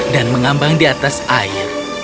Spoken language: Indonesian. dan mengambang di atas air